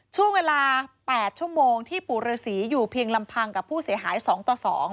ช่วงเวลา๘ชั่วโมงที่ปู่ฤษีอยู่เพียงลำพังกับผู้เสียหาย๒ต่อ๒